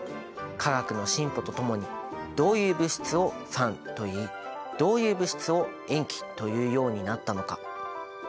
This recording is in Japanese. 化学の進歩とともにどういう物質を酸といいどういう物質を塩基というようになったのか。